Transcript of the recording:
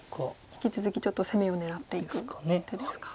引き続きちょっと攻めを狙っていく手ですか。